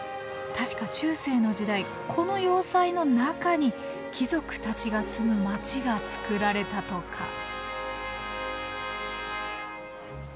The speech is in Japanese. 確か中世の時代この要塞の中に貴族たちが住む街が造られたとか。